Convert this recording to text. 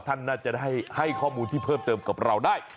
ท่านน่าจะได้ให้ข้อมูลที่เพิ่มเติมกับเราได้